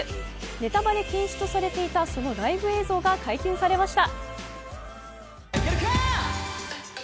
ネタバレ禁止とされていたそのライブ映像が解禁されました。